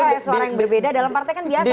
masa gak ada suara yang berbeda